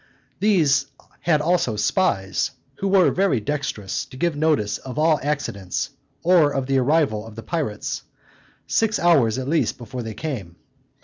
These had also spies, who were very dextrous to give notice of all accidents, or of the arrival of the pirates, six hours, at least, before they came.